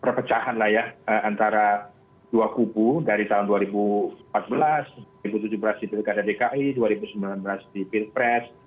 perpecahan lah ya antara dua kubu dari tahun dua ribu empat belas dua ribu tujuh belas di pilkada dki dua ribu sembilan belas di pilpres